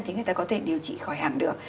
thì người ta có thể điều trị khỏi hàm được